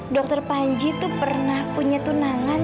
dokter panji tuh pernah punya tunangan